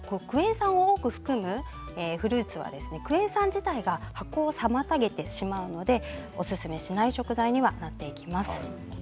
酸を多く含むフルーツはクエン酸自体が発酵を妨げてしまうのでおすすめしない食材にはなっていきます。